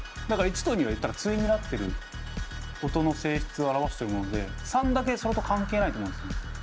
だから１と２は言ったら対になってる音の性質を表してるもので３だけそれと関係ないと思うんですね。